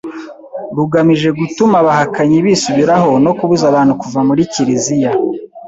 rugamije gutuma abahakanyi bisubiraho no kubuza abantu kuva muri kiliziya